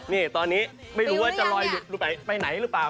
นี่ตอนนี้ไม่รู้ว่าจะลอยหลุดไปไหนหรือเปล่า